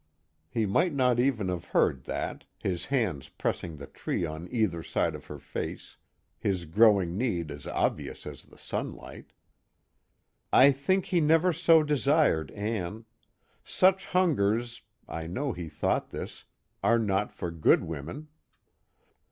He might not even have heard that, his hands pressing the tree on either side of her face, his growing need as obvious as the sunlight. _I think he never so desired Ann. Such hungers (I know he thought this) are not for good women.